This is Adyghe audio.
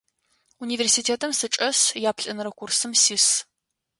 Университетым сычӏэс, яплӏэнэрэ курсым сис.